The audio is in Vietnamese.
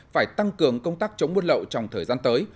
phải tăng cường công tác chống buôn lậu trong thời gian tới